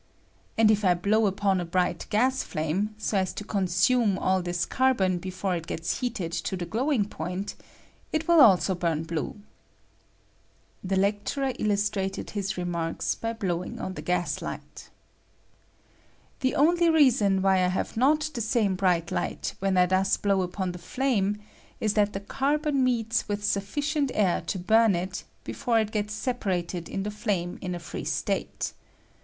And if I blow upon a bright ■flame, so as to consume all this carbon [before it gets heated to the glowing point, it also bum blue. [The lecturer illustrated 60 DIFFERENT EESULT3 OF COMBUSTION, his remarks by blowing on the gas light.] The only reason why I have not the same bright light when I thus blow upon the flame is that the carbon meets with sufficient air to burn it before it gets separated in the flame in a free state.